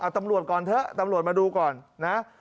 ตำรวจก่อนเถอะตำรวจมาดูก่อนนะ